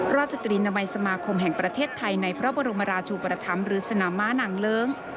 ราชตรีนามัยสมาคมแห่งประเทศไทยในพระบรมราชูปธรรมหรือสนามม้านางเลิ้ง